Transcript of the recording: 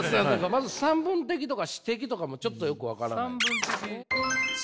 まず「散文的」とか「詩的」とかもちょっとよく分からない。